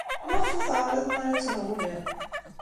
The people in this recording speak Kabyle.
Maɣef ur teɛriḍem ara ad trewlem?